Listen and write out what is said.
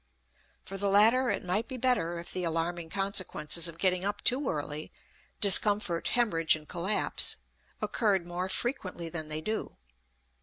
For the latter it might be better if the alarming consequences of getting up too early discomfort, hemorrhage, and collapse occurred more frequently than they do.